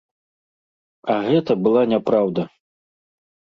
А гэта была няпраўда.